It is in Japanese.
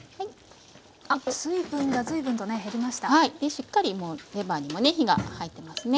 しっかりもうレバーにもね火が入っていますね。